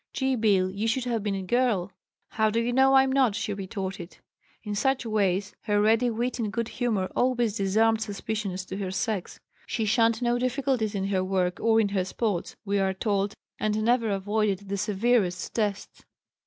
"Gee, Bill, you should have been a girl." "How do you know I'm not?" she retorted. In such ways her ready wit and good humor always, disarmed suspicion as to her sex. She shunned no difficulties in her work or in her sports, we are told, and never avoided the severest tests.